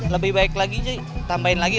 lebih baik lagi tambahin lagi